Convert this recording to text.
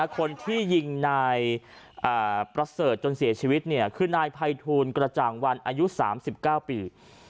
คนที่ยิงนายประเสริฐจนเสียชีวิตคือนายภัยทูลกระจ่างวันอายุ๓๙ปี